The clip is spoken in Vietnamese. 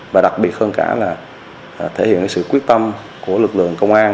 và đặc biệt hơn cả là thể hiện sự quyết tâm của lực lượng công an